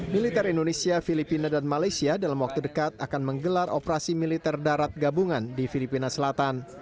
militer indonesia filipina dan malaysia dalam waktu dekat akan menggelar operasi militer darat gabungan di filipina selatan